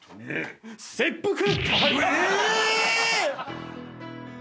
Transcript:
えっ？